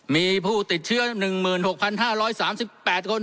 มีผู้ติดเชื้อหนึ่งหมื่นหกพันห้าร้อยสามสิบแปดคน